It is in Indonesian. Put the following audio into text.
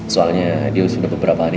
soalnya dia sudah beberapa hari